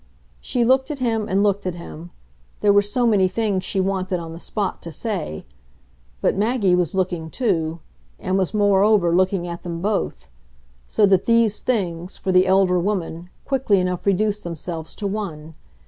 She looked at him and looked at him there were so many things she wanted, on the spot, to say. But Maggie was looking too and was moreover looking at them both; so that these things, for the elder woman, quickly enough reduced themselves to one.